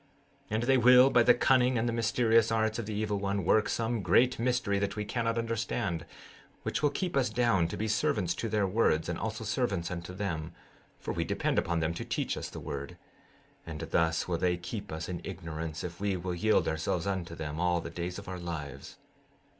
16:21 And they will, by the cunning and the mysterious arts of the evil one, work some great mystery which we cannot understand, which will keep us down to be servants to their words, and also servants unto them, for we depend upon them to teach us the word; and thus will they keep us in ignorance if we will yield ourselves unto them, all the days of our lives.